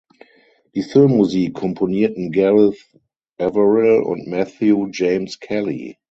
Die Filmmusik komponierten Gareth Averill und Matthew James Kelly.